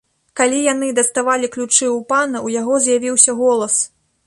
Калі яны даставалі ключы ў пана, у яго з'явіўся голас.